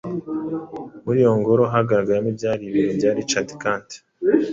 Muri iyi ngoro hagaragaramo ibyari ibiro bya Richard Kandt